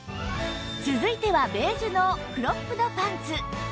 続いてはベージュのクロップドパンツ